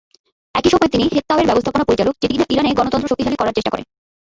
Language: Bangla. একই সময়ে তিনি "হেততাও"-এর ব্যবস্থাপনা পরিচালক, যেটি ইরাকে গণতন্ত্র শক্তিশালী করার চেষ্টা করে।